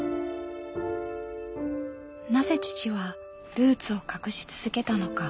なぜ父はルーツを隠し続けたのか。